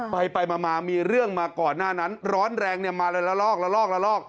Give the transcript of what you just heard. ไปไปมามีเรื่องมาก่อนหน้านั้นร้อนแรงมาแล้วลอก